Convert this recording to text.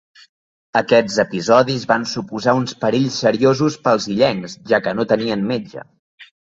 Aquests episodis van suposar uns perills seriosos pels illencs, ja que no tenien metge.